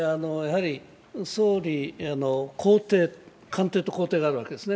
総理公邸、官邸と公邸があるわけですね